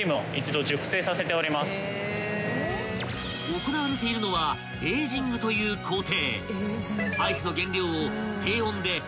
［行われているのはエージングという工程］